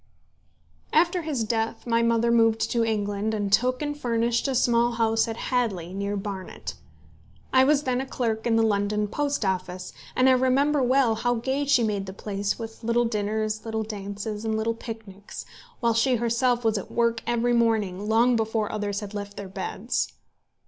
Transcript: After his death my mother moved to England, and took and furnished a small house at Hadley, near Barnet. I was then a clerk in the London Post Office, and I remember well how gay she made the place with little dinners, little dances, and little picnics, while she herself was at work every morning long before others had left their beds.